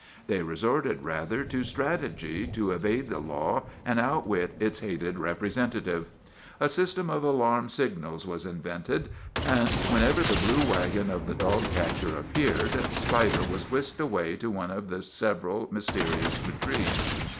They re sorted, rather, to strategy to evade the law and out wit its hated representative. A system of alarm signals was invented and whenever the blue wagon of the dog catcher appeared Spider was whisked away to one of several mysterious retreats.